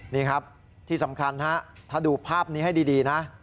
นี่ครับที่สำคัญฮะถ้าดูภาพนี้ให้ดีนะ